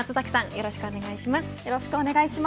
よろしくお願いします。